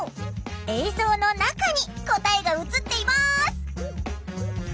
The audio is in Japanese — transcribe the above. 映像の中に答えが映っています。